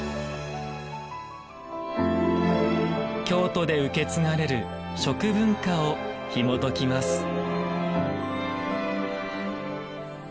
京都で受け継がれる「食文化」をひもときます。